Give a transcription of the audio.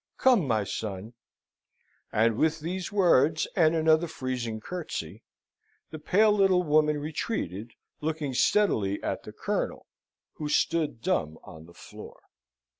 Come, my son!" and with these words, and another freezing curtsey, the pale little woman retreated, looking steadily at the Colonel, who stood dumb on the floor.